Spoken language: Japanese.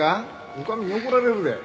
女将に怒られるで。